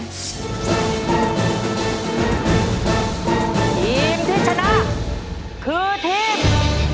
ทีมที่ชนะคือทีม